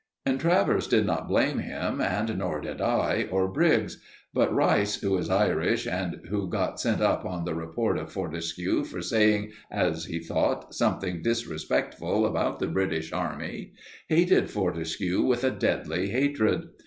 And Travers did not blame him, and more did I, or Briggs. But Rice, who is Irish, and who had got sent up on the report of Fortescue for saying, as he thought, something disrespectful about the British Army, hated Fortescue with a deadly hatred.